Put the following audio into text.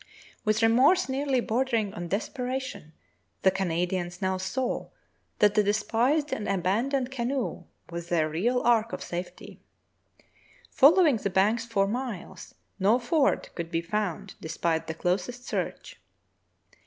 With remorse nearly bordering on desperation, the Canadians now saw that the despised and abandoned canoe was their real ark of safety. Following the banks for miles, no ford could be found despite the closest search.